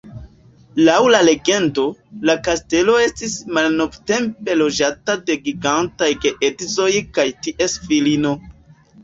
Laŭ la legendo, la kastelo estis malnovtempe loĝata de gigantaj geedzoj kaj ties filino.